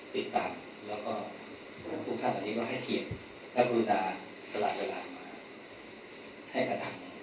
ติดตามแล้วก็ทุกท่านตอนนี้ก็ให้เก็บและพุทธนาสลายรายมาให้กระดับ